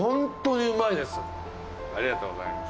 ありがとうございます。